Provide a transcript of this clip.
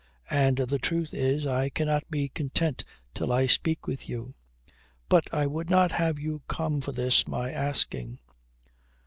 And the truth is, I cannot be content till I speak with you. But I would not have you come for this my asking.